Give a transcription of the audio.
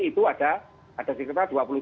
itu ada sekitar dua puluh tujuh